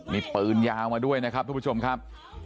มีปืนยาวมาด้วยนะครับทุกผู้ชมครับ